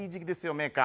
メーカー。